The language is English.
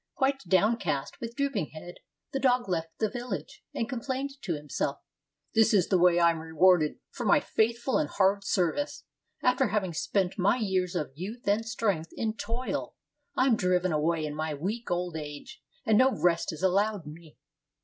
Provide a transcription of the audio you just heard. Quite downcast, with drooping head, the dog left the village, and complained to himself: "This is the way I am rewarded for my faithful and hard serv ice; after having spent my years of youth and strength in toil, I am driven away in my weak old age, and no rest is allowed me."